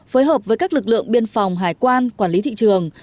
phối hợp với các lực lượng biên phòng hải quan quản lý thị trường